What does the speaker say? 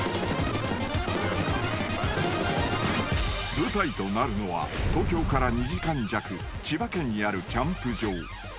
［舞台となるのは東京から２時間弱千葉県にあるキャンプ場］